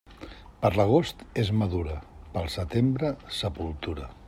Per l'agost és madura; pel setembre, sepultura.